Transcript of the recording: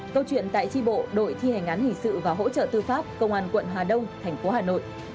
câu chuyện tại tri bộ đội thi hành án hình sự và hỗ trợ tư pháp công an quận hà đông thành phố hà nội